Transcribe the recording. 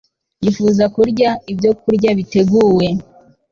Yifuza kurya ibyokurya biteguwe